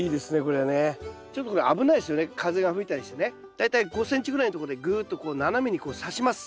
大体５ｃｍぐらいのとこでぐっとこう斜めにこうさします。